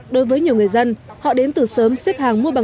đối với nhiều người dân họ đến từ sớm xếp hàng mua bán